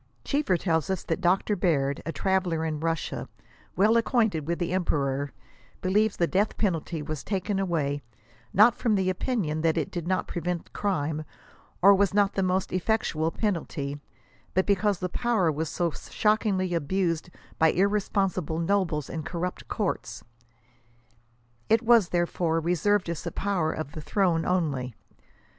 Cheever tells us that Dr. Baird, a traveller in Russia, well acquainted with the emperor, •* believes*^ the death penalty •« was taken away, not from the opinion that it did not prevent crime, or was not the most efiectual penalty, but because the power was so shockingly abused by irresponsible nobles and corrupt courts." It was therefore " reserved as a power of the throne only."